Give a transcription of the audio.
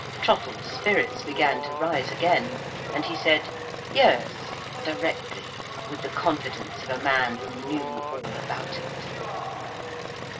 Trottle's spirits began to rise again and he said "Yes," directly, with the confidence of a man who knew all about it.